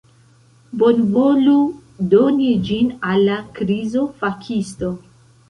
Bonvolu doni ĝin al la krizo-fakisto!